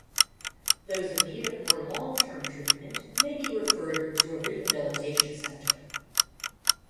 Those in need of more long-term treatment may be referred to a rehabilitation center.